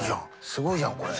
すごいじゃんこれ。